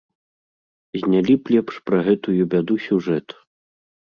Знялі б лепш пра гэтую бяду сюжэт.